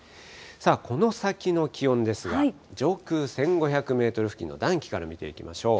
この先の気温ですが、上空１５００メートル付近の暖気から見ていきましょう。